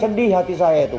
sedih hati saya itu